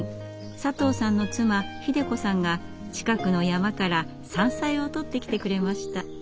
佐藤さんの妻秀子さんが近くの山から山菜を採ってきてくれました。